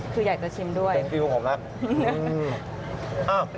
คืออยากจะชิมด้วยเป็นคลิปของผมน่ะอื้ออ้าว